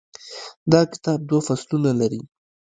دا کتاب دوه فصلونه لري.